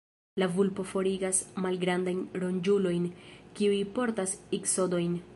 La vulpo forigas malgrandajn ronĝulojn, kiuj portas iksodojn.